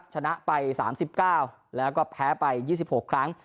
ชนะไป๓๙แล้วก็แพ้ไป๒๖ครั้ง